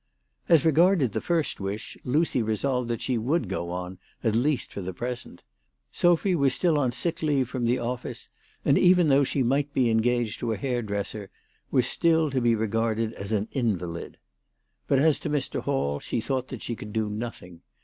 As regarded the first wish, Lucy resolved that she would go on at least for the present. Sophy was still on sick leave from the office, and, even though she might be engaged to a hairdresser, was still to be regarded as an invalid. But as to Mr. Hall, she thought that she could do nothing.